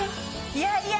いやいや。